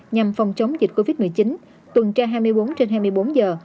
nhằm phòng chống dịch covid một mươi chín tuần tra hai mươi bốn trên hai mươi bốn giờ